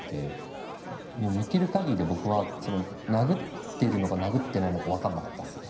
見てるかぎりで僕は殴ってるのか殴ってないのか分かんなかったです。